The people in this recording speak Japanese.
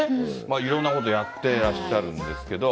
いろんなことやってらっしゃるんですけど。